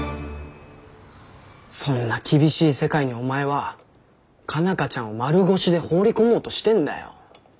そんな厳しい世界にお前は佳奈花ちゃんを丸腰で放り込もうとしてんだよ。